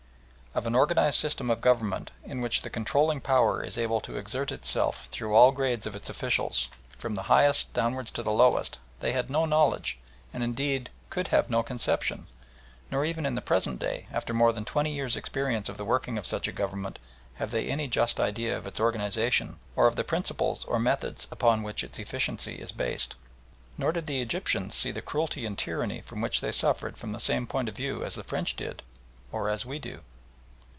Of an organised system of government, in which the controlling power is able to exert itself through all grades of its officials from the highest downwards to the lowest, they had no knowledge, and indeed could have no conception, nor even in the present day, after more than twenty years' experience of the working of such a Government, have they any just idea of its organisation or of the principles or methods upon which its efficiency is based. Nor did the Egyptians see the cruelty and tyranny from which they suffered from the same point of view as the French did, or as we do.